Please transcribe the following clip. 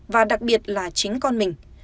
và đặc biệt là chính con mình